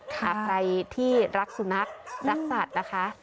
ใครที่รักสุนัขรักสัตว์นะคะ